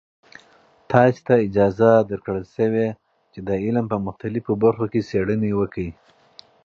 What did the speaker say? تاسې ته اجازه ورکړل شوې چې د علم په مختلفو برخو کې څیړنې وکړئ.